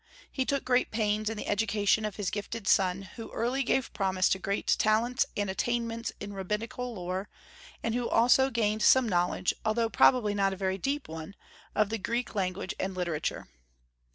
He took great pains in the education of his gifted son, who early gave promise of great talents and attainments in rabbinical lore, and who gained also some knowledge, although probably not a very deep one, of the Greek language and literature.